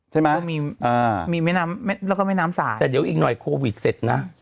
ใช่ไหมอ่ามีมีแม่น้ำแล้วก็แม่น้ำสายแต่เดี๋ยวอีกหน่อยโควิดเสร็จนะ